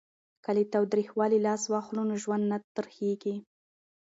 که له تاوتریخوالي لاس واخلو نو ژوند نه تریخیږي.